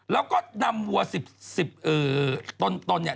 แล้วก็นำวัวสิบสี่ต้นเนี่ย